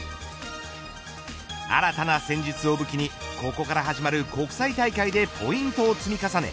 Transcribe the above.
新たな戦術を武器にここから始まる国際大会でポイントを積み重ね